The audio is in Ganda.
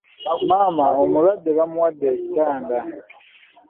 Maama omulwadde bamuwadde ekitanda.